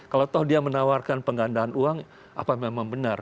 kalau toh dia menawarkan penggandaan uang apa memang benar